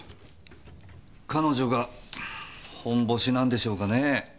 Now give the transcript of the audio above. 彼女が真犯人なんでしょうかね？